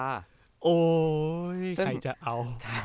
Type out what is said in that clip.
โหยกลายจะเอา